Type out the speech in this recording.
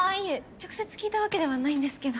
直接聞いたわけではないんですけど。